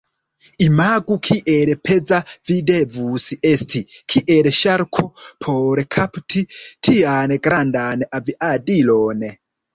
Imagu kiel peza vi devus esti, kiel ŝarko, por kapti tian grandan aviadilon.